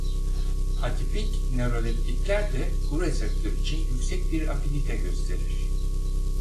Atipik nöroleptikler de bu reseptör için yüksek bir afinite gösterir.